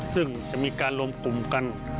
ซึ่งจะมีการรวมกลุ่มกัน